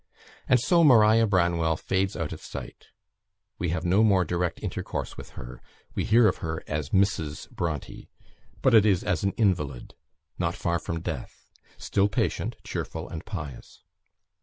And so Maria Branwell fades out of sight; we have no more direct intercourse with her; we hear of her as Mrs. Bronte, but it is as an invalid, not far from death; still patient, cheerful, and pious.